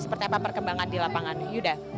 seperti apa perkembangan di lapangan yuda